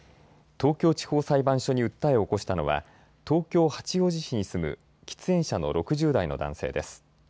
東京地方裁判所に訴えを起こしたのは東京八王子市に住む喫煙者の６０代の男性です。